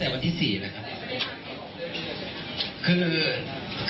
วันที่๔นะครับ